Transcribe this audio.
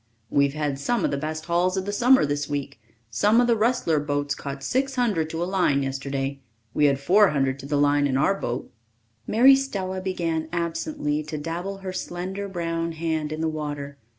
"We've had some of the best hauls of the summer this week. Some of the Rustler boats caught six hundred to a line yesterday. We had four hundred to the line in our boat." Mary Stella began absently to dabble her slender brown hand in the water.